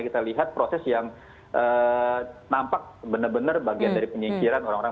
kita lihat proses yang nampak benar benar bagian dari penyingkiran orang orang